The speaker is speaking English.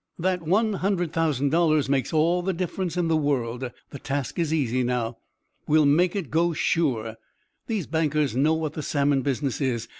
"That one hundred thousand dollars makes all the difference in the world. The task is easy, now. We will make it go, sure. These bankers know what that salmon business is.